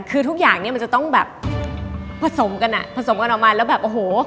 คือทุกอย่างมันจะต้องผสมกันออกมาแล้วแบบ